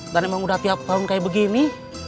dan emang udah tiap tahun kayak begini